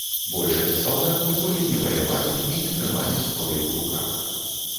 Большасць салдат ніколі не ваявалі і не трымалі зброі ў руках.